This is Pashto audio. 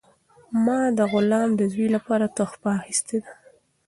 ما د غلام د زوی لپاره تحفه اخیستې ده.